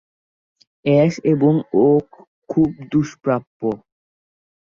Ash এবং oak খুব দুষ্প্রাপ্য।